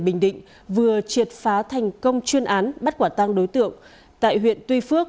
bình định vừa triệt phá thành công chuyên án bắt quả tăng đối tượng tại huyện tuy phước